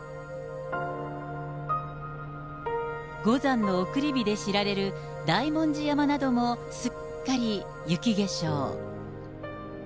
五山の送り火で知られる大文字山なども、すっかり雪化粧。